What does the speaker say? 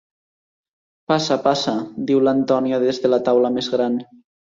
Passa, passa —diu l'Antonia des de la taula més gran—.